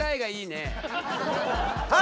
はい。